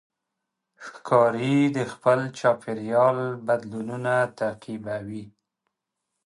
ښکاري د خپل چاپېریال بدلونونه تعقیبوي.